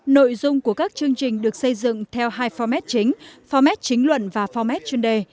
nội dung của các chương trình được xây dựng theo hai format chính format chính luận và format chuyên đề